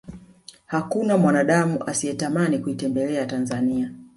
hakuna mwanadamu asiyetamani kuitembelea tanzania